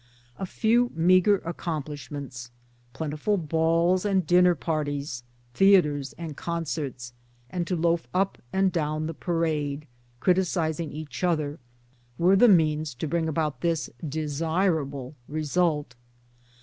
A few meagre accomplishments plentiful balls and dinner parties, theatres and concerts and to loaf up and down the parade, criticizing each other, were the means to bring about this desirable result